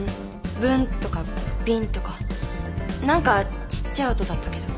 ブンとかビンとか何かちっちゃい音だったけど。